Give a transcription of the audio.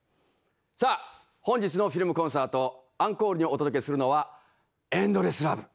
さあ本日のフィルムコンサートアンコールにお届けするのは「エンドレス・ラブ」。